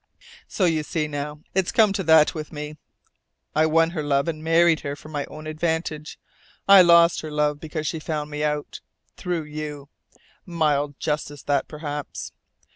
"So you see now. It's come to that with me. I won her love and married her for my own advantage. I lost her love because she found me out through you. Mild justice that, perhaps!